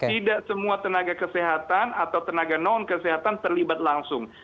tidak semua tenaga kesehatan atau tenaga non kesehatan terlibat langsung